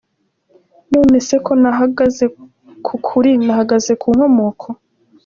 None se ko nahagaze ku kuri nahagaze ku nkomoko?